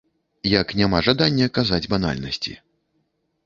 Як няма жадання казаць банальнасці.